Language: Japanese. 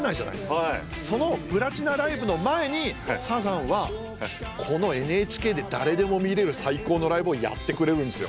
そのプラチナライブの前にサザンはこのＮＨＫで誰でも見れる最高のライブをやってくれるんですよ。